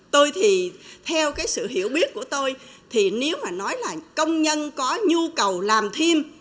tôi thì theo sự hiểu biết của tôi nếu mà nói là công nhân có nhu cầu làm thêm